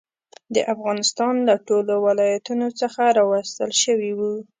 د افغانستان له ټولو ولایتونو څخه راوستل شوي وو.